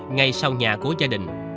ngay sau nhà của gia đình